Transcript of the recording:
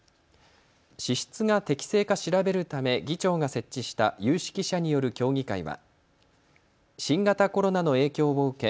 支出が適正か調べるため議長が設置した有識者による協議会は新型コロナの影響を受け